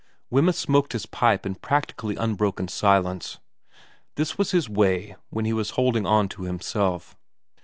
Wemyss smoked his pipe in practically unbroken silence. This was his way when he was holding on to himself.